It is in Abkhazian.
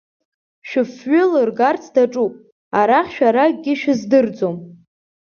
Шәыфҩы лыргарц даҿуп, арахь шәара акгьы шәыздырӡом.